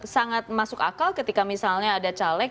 sangat masuk akal ketika misalnya ada caleg